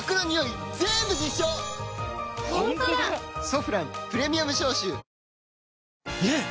「ソフランプレミアム消臭」ねえ‼